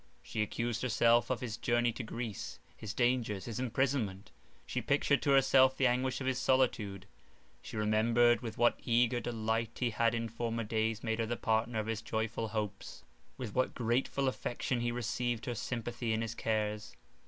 She accused herself of his journey to Greece—his dangers—his imprisonment. She pictured to herself the anguish of his solitude; she remembered with what eager delight he had in former days made her the partner of his joyful hopes— with what grateful affection he received her sympathy in his cares.